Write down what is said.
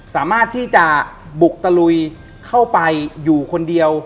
สามารถที่จะบุกตะลุยเข้าไปอยู่คนเดียว